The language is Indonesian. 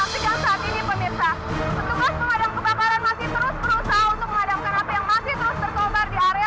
petugas pengadang kebakaran masih terus berusaha untuk mengadangkan api yang masih terus tertobar di area hotel royal